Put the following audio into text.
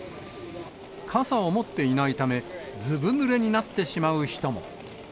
傘を持っていないため、ずぶぬれになってしまう人も。